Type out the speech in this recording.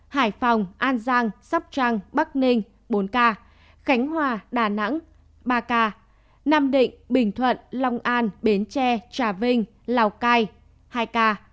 hải phòng an giang sóc trăng bắc ninh bốn ca khánh hòa đà nẵng ba ca nam định bình thuận long an bến tre trà vinh lào cai hai ca